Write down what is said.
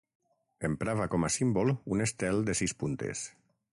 Emprava com a símbol un estel de sis puntes.